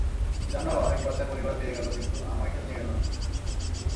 জানো, অনেক বাচ্চারা পরিবার পেয়ে গেল, কিন্তু আমায় কেউ নিয়ে গেল না।